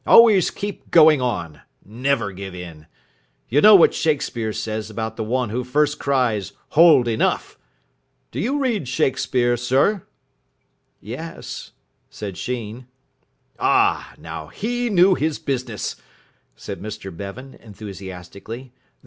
Always keep going on. Never give in. You know what Shakespeare says about the one who first cries, 'Hold, enough!' Do you read Shakespeare, sir?" "Yes," said Sheen. "Ah, now he knew his business," said Mr Bevan enthusiastically.